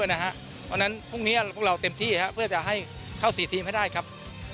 เพราะฉะนั้นพรุ่งนี้พวกเราเต็มที่เพื่อจะให้เข้า๔ทีมให้ได้ครับ